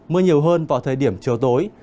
mưa nhiều hơn vào thời điểm chiều tối